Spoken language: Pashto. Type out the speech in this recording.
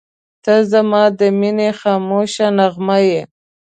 • ته زما د مینې خاموشه نغمه یې.